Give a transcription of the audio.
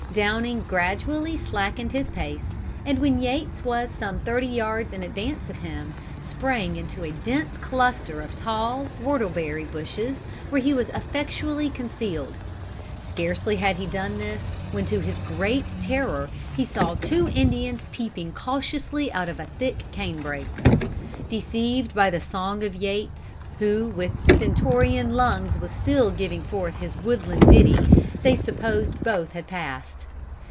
Downing gradually slackened his pace, and when Yates was some thirty yards in advance of him, sprang into a dense cluster of tall whortleberry bushes, where he was effectually concealed. Scarcely had he done this, when to his great terror he saw two Indians peeping cautiously out of a thick canebrake. Deceived by the song of Yates, who with stentorian lungs was still giving forth his woodland ditty, they supposed both had passed.